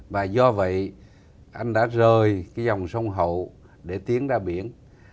và do vậy anh đã rời cái dòng sông hậu để tiến ra biển